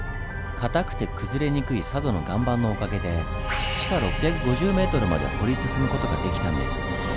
かたくて崩れにくい佐渡の岩盤のおかげで地下６５０ｍまで掘り進む事ができたんです。